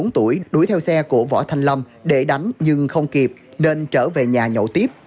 một mươi bốn tuổi đuổi theo xe của võ thanh lâm để đánh nhưng không kịp nên trở về nhà nhậu tiếp